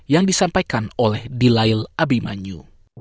yang disampaikan oleh dilayl abimanyu